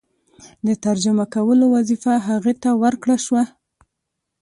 د ترجمه کولو وظیفه هغه ته ورکړه شوه.